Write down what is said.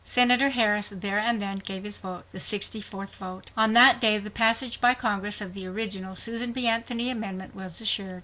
Senator Harris there and then gave his vote, the 64th vote. On that day the passage by Congress of the original Susan B. Anthony amendment was assured.